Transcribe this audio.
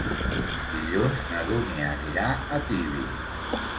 Dilluns na Dúnia anirà a Tibi.